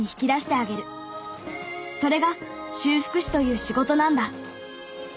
それが修復士という仕事なんだ。